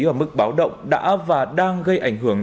ở mức báo động đã và đang gây ảnh hưởng